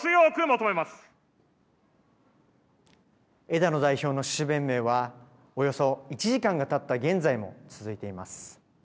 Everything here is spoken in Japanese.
枝野代表の趣旨弁明はおよそ１時間がたった現在も続いています。